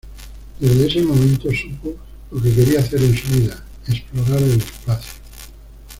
Desde ese momento, supo lo que quería hacer en su vida: explorar el espacio.